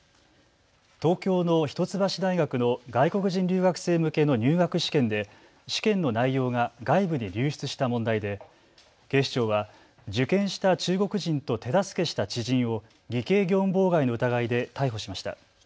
東京の一橋大学の外国人留学生向けの入学試験で試験の内容が外部に流出した問題で警視庁は受験した中国人と手助けした知人を偽計業務妨害の疑いで逮捕しました。